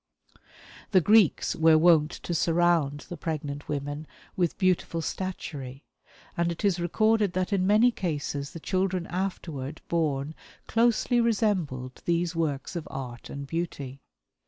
The Greeks were wont to surround the pregnant women with beautiful statuary, and it is recorded that in many cases the children afterward born closely resembled these works of art and beauty.